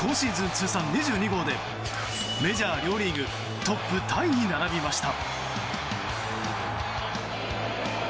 通算２２号でメジャー両リーグトップタイに並びました。